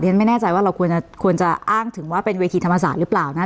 ฉันไม่แน่ใจว่าเราควรจะอ้างถึงว่าเป็นเวทีธรรมศาสตร์หรือเปล่านะ